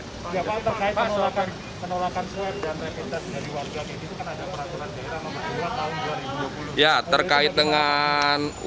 ya pak terkait penolakan swep dan reputasi dari warga negara itu kan ada peraturan negara nomor dua tahun dua ribu dua puluh